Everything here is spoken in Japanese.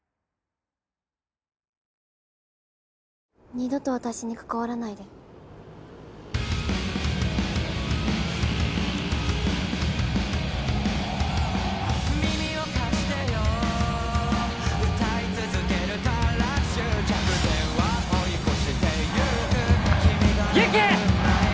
二度と私に関わらないで。ユキ！